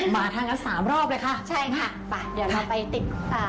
มาท่านก็สามรอบเลยค่ะใช่ค่ะไปเดี๋ยวเราไปติดอ่า